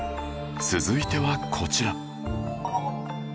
続いてはこちら